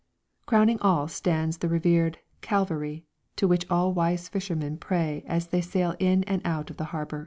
Crowning all stands the revered Calvary to which all wise fishermen pray as they sail in and out of the harbour.